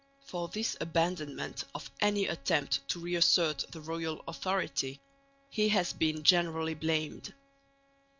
For this abandonment of any attempt to re assert the royal authority he has been generally blamed.